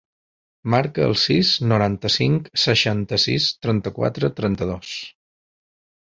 Marca el sis, noranta-cinc, seixanta-sis, trenta-quatre, trenta-dos.